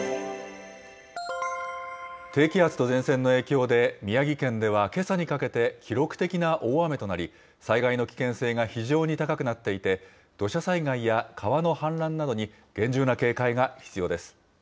低気圧と前線の影響で、宮城県ではけさにかけて、記録的な大雨となり、災害の危険性が非常に高くなっていて、土砂災害や川の氾濫などに厳重な警戒が必要です。